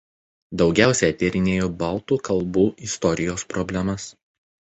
Daugiausia tyrinėjo baltų kalbų istorijos problemas.